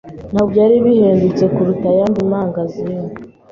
Ntabwo byari bihendutse kuruta ayandi mangazini. .